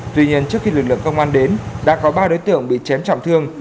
tuy nhiên trước khi lực lượng công an đến đã có ba đối tượng bị chém trọng thương